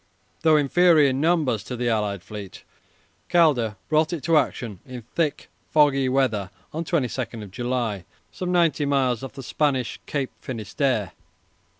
Though inferior in numbers to the allied fleet, Calder brought it to action in thick, foggy weather on 22 July, some ninety miles off the Spanish Cape Finisterre.